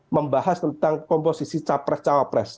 membahas tentang komposisi capres cawapres